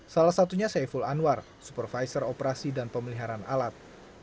salah satunya saiful anwar supervisor operasi dan pemeliharaan alat